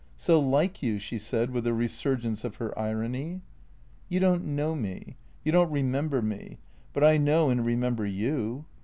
" So like you," she said, with a resurgence of her irony. " You don't know me. You don't remember me. But I know and remember you.